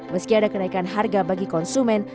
meski ada kenaikan harga bagi konsumen